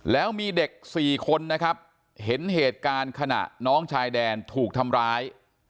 แล้วมีเด็ก๔คนนะครับเห็นเหตุการณ์ขณะน้องชายแดนถูกทำร้าย